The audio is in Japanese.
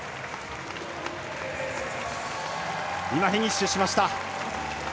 フィニッシュしました。